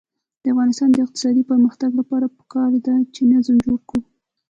د افغانستان د اقتصادي پرمختګ لپاره پکار ده چې نظم جوړ کړو.